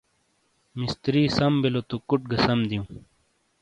مِستِری سَم بِیلو تو کُٹ گا سَم دِیوں ۔